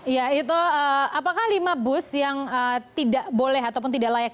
ya itu apakah lima bus yang tidak boleh ataupun tidak layak